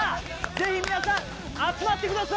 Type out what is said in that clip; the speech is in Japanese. ぜひ皆さん集まってください！